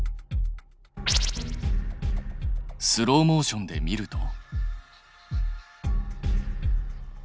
スローモーションで見ると。